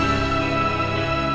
aku mau ke rumah